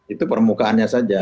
itu permukaannya saja